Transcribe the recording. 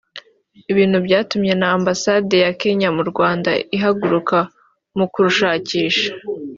ibintu byatumye na Ambassade ya Kenya mu Rwanda ihaguruka mu kumushakisha